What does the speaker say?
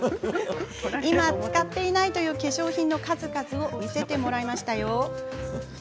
今、使っていないという化粧品の数々見せてもらいました。